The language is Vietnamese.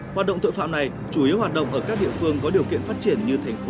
hoạt động tội phạm này chủ yếu hoạt động ở các địa phương có điều kiện phát triển như thành phố